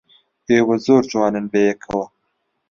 ئێوە زۆر جوانن بەیەکەوە.